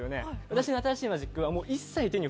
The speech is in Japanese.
私の新しいマジックは。